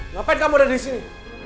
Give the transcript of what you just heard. ngapain kamu udah disini